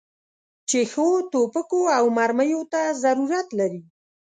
چې ښو توپکو او مرمیو ته ضرورت لري.